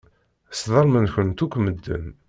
Sḍelmen-kent akk medden.